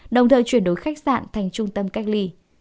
đồng thời chuyển đổi khách sạn thành trung tâm cách ly